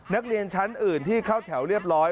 นักเรียนชั้นอื่นที่เข้าแถวเรียบร้อย